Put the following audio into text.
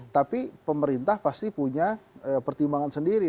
tapi pemerintah pasti punya pertimbangan sendiri